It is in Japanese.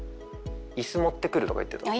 イス持ってくるとか言ってた。